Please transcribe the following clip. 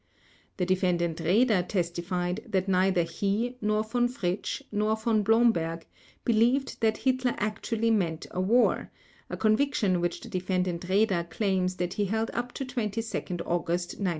The Defendant Raeder testified that neither he, nor Von Fritsch, nor Von Blomberg, believed that Hitler actually meant war, a conviction which the Defendant Raeder claims that he held up to 22 August 1939.